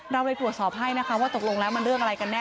เราเลยตรวจสอบให้นะคะว่าตกลงแล้วมันเรื่องอะไรกันแน่